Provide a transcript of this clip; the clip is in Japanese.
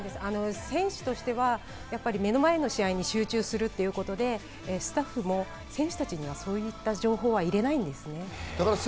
選手としては目の前の試合に集中するということで、スタッフも選手たちにはそういった情報は入れないんですね。